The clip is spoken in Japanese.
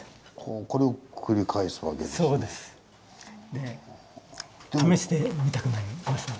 これを繰り返すわけですね。